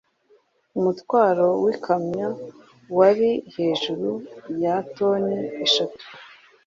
umutwaro w'ikamyo wari hejuru ya toni eshatu